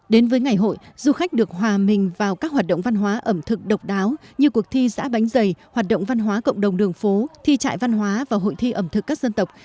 đến với ngày hội du khách được hòa mình vào các hoạt động văn hóa ẩm thực độc đáo như cuộc thi giã bánh dày hoạt động văn hóa cộng đồng đường phố thi trại văn hóa và hội thi ẩm thực các dân tộc